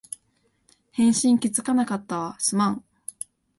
返信気づかなかったわ、すまん